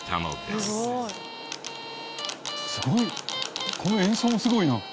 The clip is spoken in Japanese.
すごいこの演奏もすごいな。